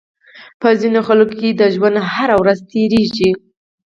په ځينې خلکو د ژوند هره ورځ تېرېږي.